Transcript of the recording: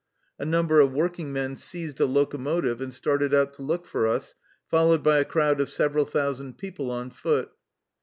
A number of workingmen seized a locomotive and started out to look for us, followed by a crowd of several thousand people on foot.